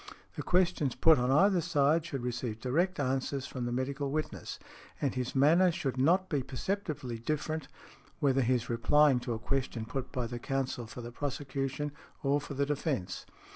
"The questions put on either side should receive direct answers from the medical witness, and his manner should not be perceptibly different whether he is replying to a question put by the counsel for the prosecution, or for the defence."